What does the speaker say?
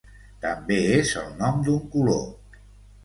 També és el nom d'un color.